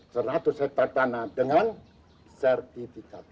karena saya membeli seratus hektare tanah dengan sertifikat pas